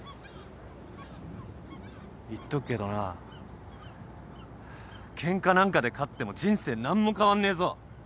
言っとくけどなケンカなんかで勝っても人生何も変わんねえぞ。